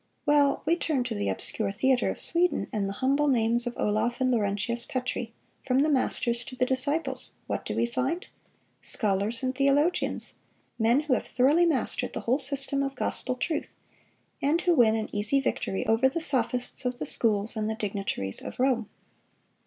Well, we turn to the obscure theater of Sweden, and the humble names of Olaf and Laurentius Petri—from the masters to the disciples—what do we find?... Scholars and theologians; men who have thoroughly mastered the whole system of gospel truth, and who win an easy victory over the sophists of the schools and the dignitaries of Rome."